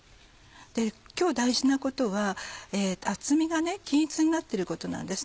今日大事なことは厚みが均一になってることなんですね。